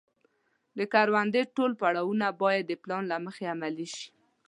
د کروندې ټول پړاوونه باید د پلان له مخې عملي شي.